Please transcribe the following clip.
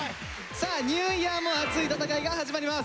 さあニューイヤーも熱い戦いが始まります。